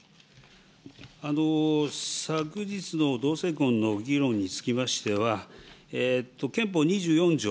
昨日の同性婚の議論につきましては、憲法２４条